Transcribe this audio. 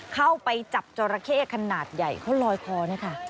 เข้าไปจับจอราเข้ขนาดใหญ่เขาลอยคอนะคะ